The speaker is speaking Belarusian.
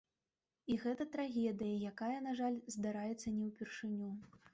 І гэта трагедыя, якая, на жаль, здараецца не ўпершыню.